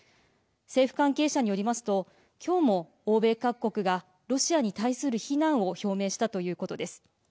政府関係者によりますと今日も欧米各国がロシアに対する非難を表明したということです。